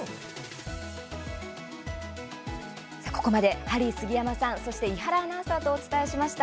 さあ、ここまでハリー杉山さんそして伊原アナウンサーとお伝えしました。